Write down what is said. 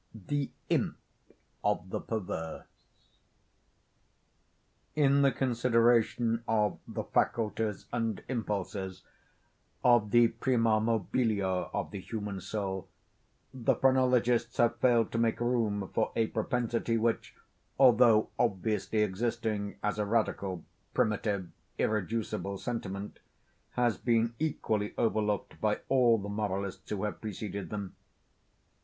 _ THE IMP OF THE PERVERSE In the consideration of the faculties and impulses—of the prima mobilia of the human soul, the phrenologists have failed to make room for a propensity which, although obviously existing as a radical, primitive, irreducible sentiment, has been equally overlooked by all the moralists who have preceded them.